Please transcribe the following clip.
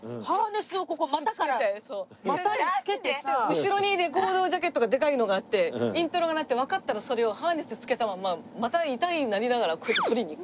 後ろにレコードジャケットがでかいのがあってイントロが鳴ってわかったらそれをハーネスつけたまま股痛い！になりながらこうやって取りに行く。